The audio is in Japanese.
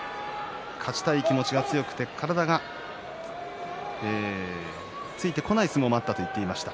勝ちたい気持ちが強くて体がついてこない相撲もあったと言っていました。